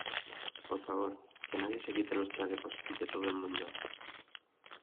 por favor, que nadie se quite los chalecos y que todo el mundo